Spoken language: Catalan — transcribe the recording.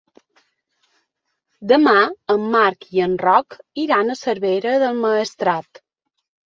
Demà en Marc i en Roc iran a Cervera del Maestrat.